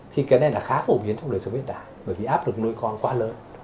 thì cái này là khá phổ biến trong đời sống hiện tại bởi vì áp lực nuôi con quá lớn